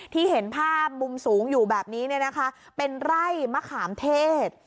เห็นภาพมุมสูงอยู่แบบนี้เนี่ยนะคะเป็นไร่มะขามเทศ